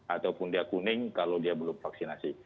ataupun dia kuning kalau dia belum vaksinasi